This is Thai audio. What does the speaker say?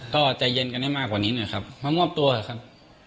ก็ใจเย็นกันได้มากกว่านี้หน่อยครับมามอบตัวครับ